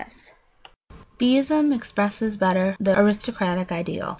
[Sidenote: Theism expresses better the aristocratic ideal.